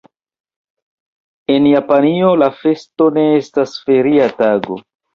En Japanio la festo ne estas feria tago.